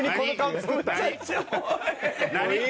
何？